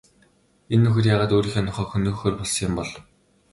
Энэ нөхөр яагаад өөрийнхөө нохойг хөнөөхөөр болсон юм бол?